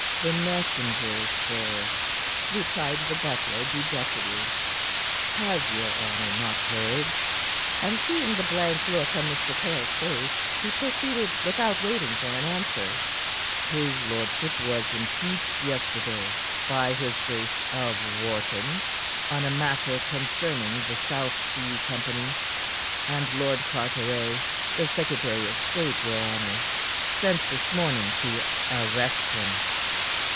"The messengers, sir," replied the butler dejectedly. "Has your honor not heard?" And seeing the blank look on Mr. Caryll's face, he proceeded without waiting for an answer: "His lordship was impeached yesterday by his Grace of Wharton on a matter concerning the South Sea Company, and Lord Carteret the secretary of state, your honor sent this morning to arrest him."